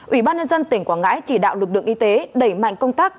ủy ban nhân dân tỉnh quảng ngãi chỉ đạo lực lượng y tế đẩy mạnh công tác